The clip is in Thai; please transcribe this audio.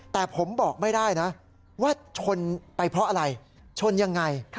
แต่ผมบอกไม่ได้นะว่าชนไปเพราะอะไรชนยังไง